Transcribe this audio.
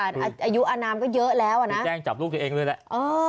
อายุอนามก็เยอะแล้วอ่ะนะแจ้งจับลูกตัวเองเลยแหละ